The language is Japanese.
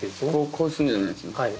こうするんじゃないんですね。